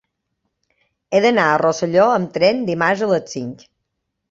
He d'anar a Rosselló amb tren dimarts a les cinc.